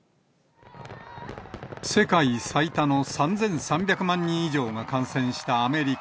世界最多の３３００万人以上が感染したアメリカ。